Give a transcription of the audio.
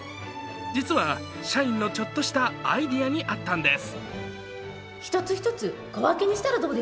実は、社員のちょっとしたアイデアにあったんです。